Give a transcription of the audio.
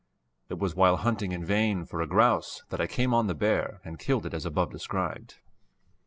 It was while hunting in vain for a grouse that I came on the bear and killed it as above described.